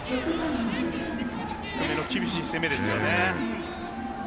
低めの厳しい攻めですよね。